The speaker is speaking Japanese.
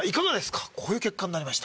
こういう結果になりました。